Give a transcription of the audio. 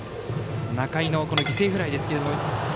仲井の犠牲フライですが。